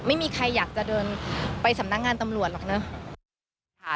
ไม่มีใครอยากจะเดินไปสำนักงานตำรวจหรอกเนอะ